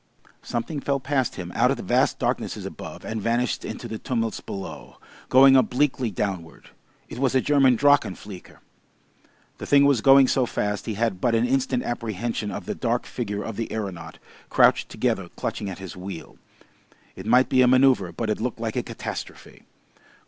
Something fell past him out of the vast darknesses above and vanished into the tumults below, going obliquely downward. It was a German drachenflieger. The thing was going so fast he had but an instant apprehension of the dark figure of the aeronaut crouched together clutching at his wheel. It might be a manoeuvre, but it looked like a catastrophe.